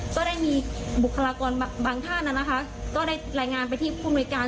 ก็ได้มีบุคลากรบางท่านนะคะก็ได้รายงานไปที่ผู้มนุยการ